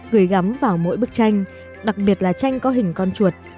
gửi gắm vào mỗi bức tranh đặc biệt là tranh có hình con chuột